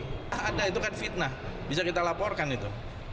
tidak ada itu kan fitnah bisa kita laporkan itu